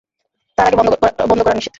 তার আগে বন্ধ করা নিষেধ।